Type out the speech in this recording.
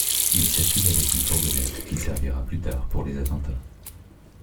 Il circule avec une fourgonnette qui servira plus tard pour les attentats.